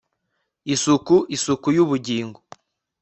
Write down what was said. Isukuisuku yubugingo